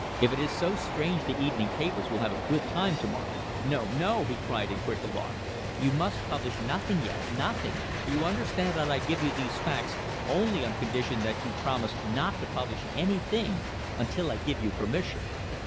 "If it is so strange the evening papers will have a good time to morrow." "No, no," he cried in quick alarm. "You must publish nothing yet nothing. You understand that I give you these facts only on condition that you promise not to publish any thing until I give you permission.